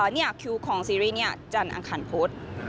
นี่คิวของซีรีส์นี่จันอังคันพุธ